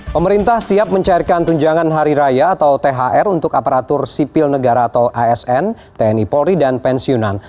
pemerintah siap mencairkan tunjangan hari raya atau thr untuk aparatur sipil negara atau asn tni polri dan pensiunan